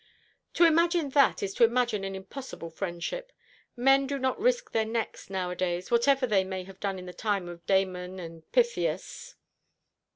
"To imagine that is to imagine an impossible friendship. Men do not risk their necks nowadays, whatever they may have done in the time of Damon and Pythias."